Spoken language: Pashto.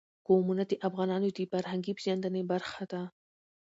قومونه د افغانانو د فرهنګي پیژندنې برخه ده.